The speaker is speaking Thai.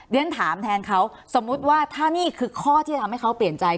เรียนถามแทนเขาสมมุติว่าถ้านี่คือข้อที่จะทำให้เขาเปลี่ยนใจ